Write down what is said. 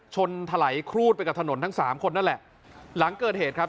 ถลายครูดไปกับถนนทั้งสามคนนั่นแหละหลังเกิดเหตุครับ